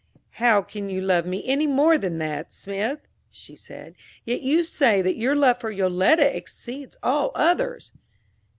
"How can you love any one more than that, Smith?" she said. "Yet you say that your love for Yoletta exceeds all others."